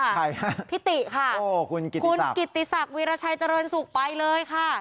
ใครฮะพี่ติค่ะคุณกิติศักดิราชัยเจริญสุขไปเลยค่ะ